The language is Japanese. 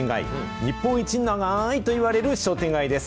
日本一長いといわれる商店街です。